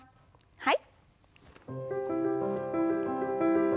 はい。